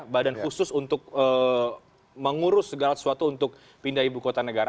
badan khusus untuk mengurus segala sesuatu untuk pindah ibu kota negara